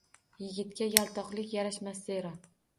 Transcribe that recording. Yigitga yaltoqlik yarashmas zero.